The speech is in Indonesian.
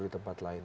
di tempat lain